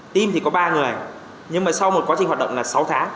team thì có ba người nhưng mà sau một quá trình hoạt động là sáu tháng